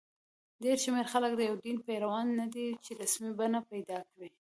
ډېر شمېر خلک د یو دین پیروان نه دي چې رسمي بڼه پیدا کړي.